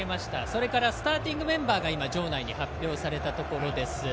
それからスターティングメンバーが場内に発表されたところです。